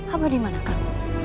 abah dimana kak